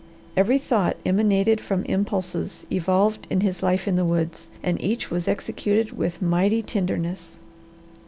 Every thought emanated from impulses evolved in his life in the woods, and each was executed with mighty tenderness.